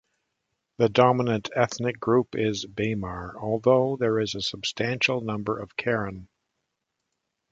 The dominant ethnic group is Bamar, although there is a substantial number of Karen.